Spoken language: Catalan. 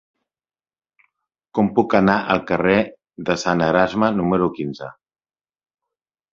Com puc anar al carrer de Sant Erasme número quinze?